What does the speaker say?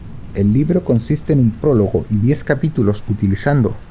El libro consiste en un prólogo y diez capítulos, utilizando